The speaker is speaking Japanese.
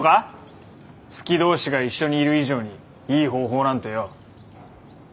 好き同士が一緒にいる以上にいい方法なんてよ。